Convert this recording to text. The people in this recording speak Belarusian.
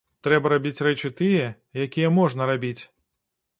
Трэба рабіць рэчы тыя, якія можна рабіць.